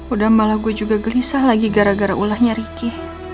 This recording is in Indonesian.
udah malah gue juga gelisah lagi gara gara ulahnya ricky